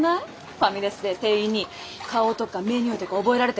ファミレスで店員に顔とかメニューとか覚えられてるとかさ。